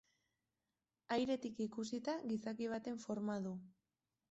Airetik ikusita gizaki baten forma du.